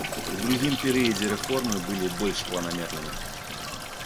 У другім перыядзе рэформы былі больш планамернымі.